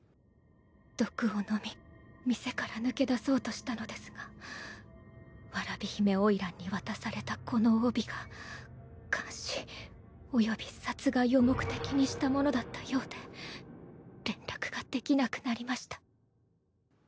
毒を飲み店から抜け出そうとしたのですが蕨姫花魁に渡されたこの帯が監視および殺害を目的にしたものだったようで連絡ができなくなりました。